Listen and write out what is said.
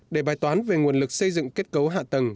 để bài toán về nguồn lực xây dựng kết cấu hạ tầng